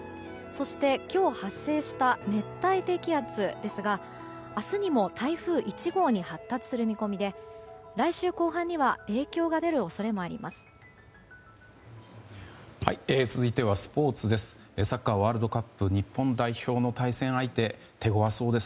そして、今日発生した熱帯低気圧ですが明日にも台風１号に発達する見込みで来週後半には影響が出る恐れもあります。